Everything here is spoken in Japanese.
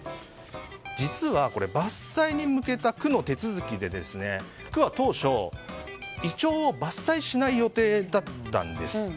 実は伐採に向けた区の手続きで区は当初、イチョウを伐採しない予定だったんです。